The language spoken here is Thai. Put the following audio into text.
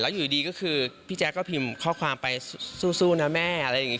อยู่ดีก็คือพี่แจ๊คก็พิมพ์ข้อความไปสู้นะแม่อะไรอย่างนี้